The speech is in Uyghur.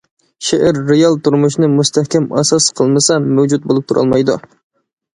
شېئىر رېئال تۇرمۇشنى مۇستەھكەم ئاساس قىلمىسا، مەۋجۇت بولۇپ تۇرالمايدۇ.